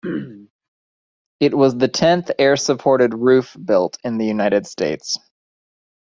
It was the tenth air-supported roof built in the United States.